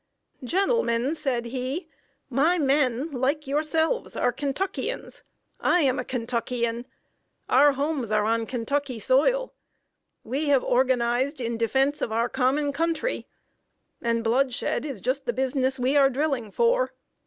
"Gentlemen," said he, "my men, like yourselves, are Kentuckians. I am a Kentuckian. Our homes are on Kentucky soil. We have organized in defense of our common country; and bloodshed is just the business we are drilling for.